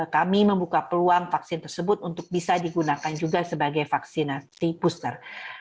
kami membuka peluang vaksin tersebut untuk bisa digunakan juga sebagai vaksinasi booster